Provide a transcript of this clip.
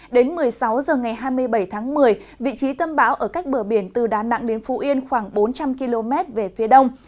đến một mươi sáu h ngày hai mươi bảy tháng một mươi vị trí tâm bão ở cách bờ biển từ đà nẵng đến phú yên khoảng bốn trăm linh km về phía đông